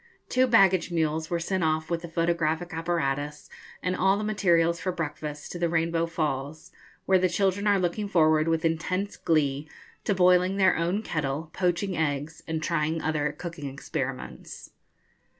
Two baggage mules were sent off with the photographic apparatus, and all the materials for breakfast, to the Rainbow Falls, where the children are looking forward with intense glee to boiling their own kettle, poaching eggs, and trying other cooking experiments.